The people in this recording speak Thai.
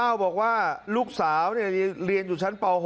เล่าบอกว่าลูกสาวเนี่ยเรียนอยู่ชั้นป๖